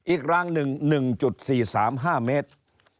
รางหนึ่ง๑๔๓๕เมตร